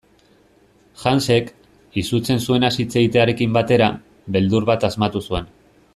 Hansek, izutzen zuenaz hitz egitearekin batera, beldur bat asmatu zuen.